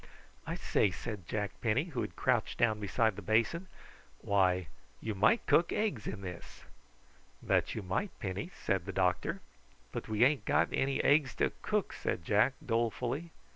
"I say," said Jack Penny, who had crouched down beside the basin, "why, you might cook eggs in this." "That you might, Penny," said the doctor. "But we ain't got any eggs to cook," said Jack dolefully.